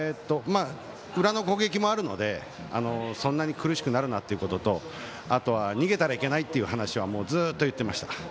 裏の攻撃もあるのでそんなに苦しくなるなということとあとは逃げたらいけないという話はずっと言ってました。